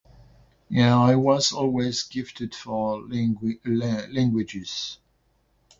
Yeah , I was always gifted for lingui- lia- le- languages.